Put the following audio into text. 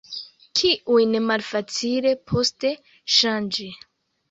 Kiujn malfacile poste ŝanĝi.